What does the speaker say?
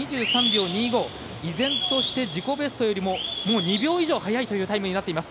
依然として自己ベストよりも２秒以上速いというタイムになっています。